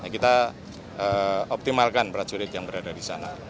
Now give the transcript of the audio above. kita optimalkan prajurit yang berada di sana